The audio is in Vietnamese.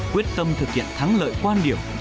quyết tâm thực hiện thắng lợi quan điểm